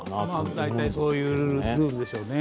大体そういうルールでしょうね。